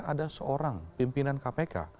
ada seorang pimpinan kpk